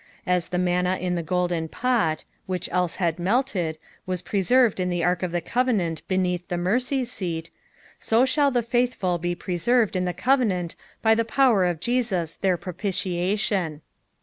As the manna in the golden pot, which else had melted, was preserved in tne ark of the covenant beneath the inercy seat, so shall the faithful be preserved in the covenant by the power of Jesus their propitiation.